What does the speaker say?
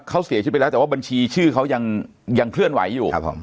เขาเสียชีวิตไปแล้วแต่ว่าบัญชีชื่อเขายังเคลื่อนไหวอยู่